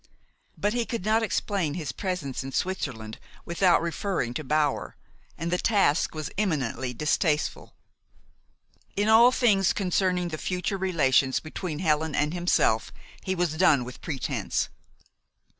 But he could not explain his presence in Switzerland without referring to Bower, and the task was eminently distasteful. In all things concerning the future relations between Helen and himself, he was done with pretense.